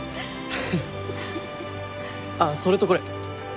あっそれとこれ。